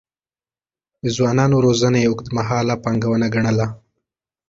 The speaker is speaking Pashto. د ځوانانو روزنه يې اوږدمهاله پانګونه ګڼله.